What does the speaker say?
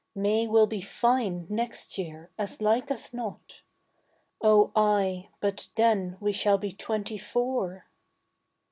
May will be fine next year as like as not: Oh ay, but then we shall be twenty four.